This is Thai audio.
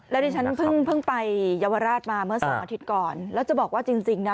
แล้วดิฉันเพิ่งไปเยาวราชมาเมื่อสองอาทิตย์ก่อนแล้วจะบอกว่าจริงจริงนะ